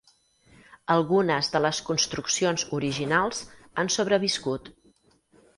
Algunes de les construccions originals han sobreviscut.